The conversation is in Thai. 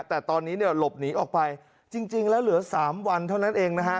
แต่ตอนนี้เนี่ยหลบหนีออกไปจริงแล้วเหลือ๓วันเท่านั้นเองนะฮะ